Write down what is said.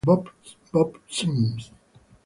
Bob Sims